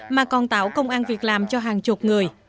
mà còn tạo công an việc làm cho hàng chục người